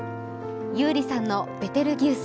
優里さんの「ベテルギウス」。